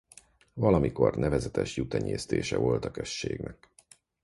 Valamikor nevezetes juhtenyésztése volt a községnek.